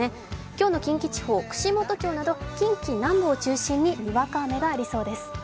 今日の近畿地方串本町など近畿南部を中心ににわか雨がありそうです。